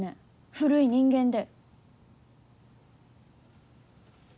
古い人間で。